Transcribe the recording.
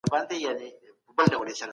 ماشومان د لوبو د سامان جوړولو ته اړتیا لري.